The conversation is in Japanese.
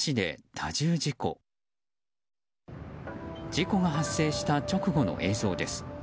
事故が発生した直後の映像です。